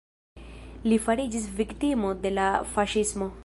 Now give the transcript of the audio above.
Li fariĝis viktimo de la faŝismo.